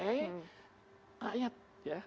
apa yang sekarang datang itu akan selesai